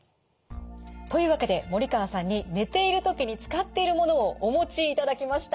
というわけで森川さんに寝ている時に使っているものをお持ちいただきました。